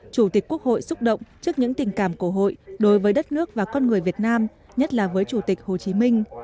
chủ tịch quốc hội xúc động trước những tình cảm của hội đối với đất nước và con người việt nam nhất là với chủ tịch hồ chí minh